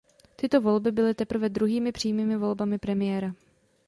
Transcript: Tyto volby byly teprve druhými přímými volbami premiéra.